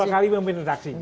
dua kali pemimpin redaksi